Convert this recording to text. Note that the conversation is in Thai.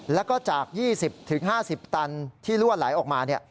แล้วก็จาก๒๐๕๐ตันที่ลั่วไหลออกมา